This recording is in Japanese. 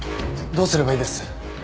どうすればいいです？